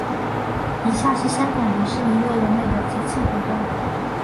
以下是香港迪士尼乐园内的节庆活动。